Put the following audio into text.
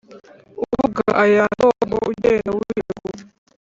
Uvuga aya Ndongo ugenda wiregura